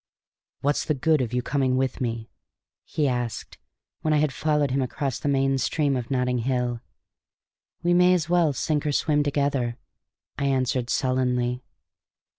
"What's the good of your coming with me?" he asked, when I had followed him across the main stream of Notting Hill. "We may as well sink or swim together," I answered sullenly.